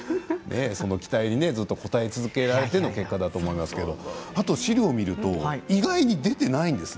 その期待に応えられての結果だと思いますけど資料を見ると意外に出ていないんですね。